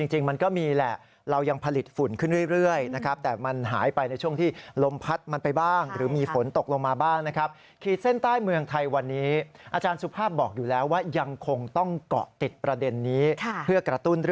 จริงมันก็มีแหละเรายังผลิตฝุ่นขึ้นเรื่อย